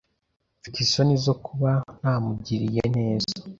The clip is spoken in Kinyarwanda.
Mfite isoni zo kuba ntamugiriye neza.